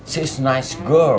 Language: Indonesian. dia anak yang baik